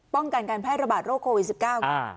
ป้องกันการแพร่ระบาดโรคโควิด๑๙ไง